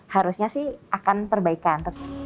harusnya sih akan perbaikan